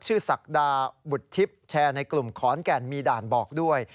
ชื่อสักดาบุธิบแชร์ในกลุ่มขอนแก่นมีด่านบอกด้วย